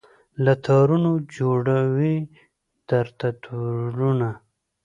له تارونو جوړوي درته تورونه